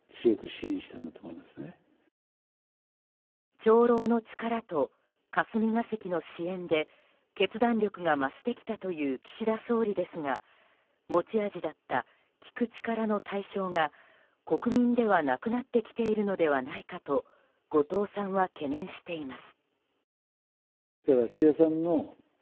長老の力と霞が関の支援で決断力が増してきたという岸田総理ですが持ち味だった聞く力の対象が国民ではなくなってきているのではないかと後藤さんは懸念しています。